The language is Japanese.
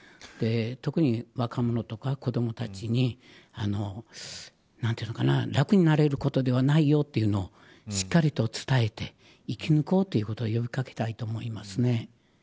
特に若者とか子どもたちに楽になれることではないよというのをしっかりと伝えて生き抜こうということを呼び掛けたいと思いますね。